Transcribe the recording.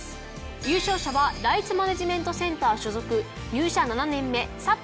優勝者はライツマネジメントセンター所属入社７年目佐藤麻衣。